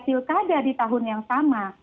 pilkada di tahun yang sama